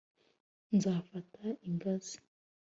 nzafata ingazi